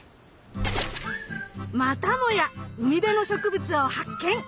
またもや海辺の植物を発見！